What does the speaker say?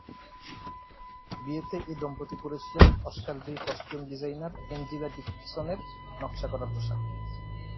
বিয়েতে এ দম্পতি পরেছিলেন অস্কারজয়ী কস্টিউম ডিজাইনার এনজিলা ডিকসনের নকশা করা পোশাক।